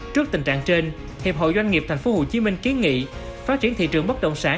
trước tình trạng trên hiệp hội doanh nghiệp tp hcm kiến nghị phát triển thị trường bất động sản